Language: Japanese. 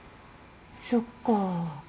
そっか。